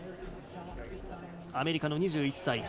アメリカの２１歳。